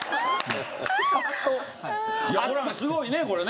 ホランすごいねこれね。